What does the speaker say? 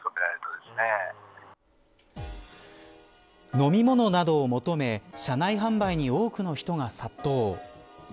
飲み物などを求め車内販売に多くの人が殺到。